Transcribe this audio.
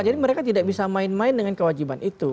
jadi mereka tidak bisa main main dengan kewajiban itu